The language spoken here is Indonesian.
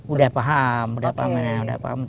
udah paham udah paham mana udah paham